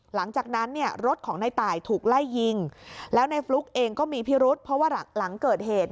หลังจากนั้นเนี่ยรถของในตายถูกไล่ยิงแล้วในฟลุ๊กเองก็มีพิรุษเพราะว่าหลังเกิดเหตุ